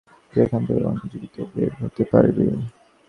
তুই এখান থেকে কখনোই জীবিত বের হতে পারবি না।